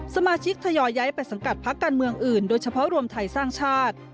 สมาชิกทยอยย้ายไปสังกัดพักการเมืองอื่นโดยเฉพาะรวมไทยสร้างชาติ